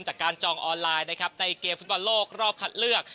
จากการจองออนไลน์ในเกมฟุตบอลโลกรอบคัดเลือก